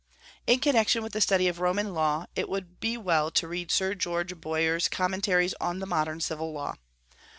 In connection with the study of the Roman law, it would be well to read Sir George Bowyer's Commentaries on the Modern Civil Law.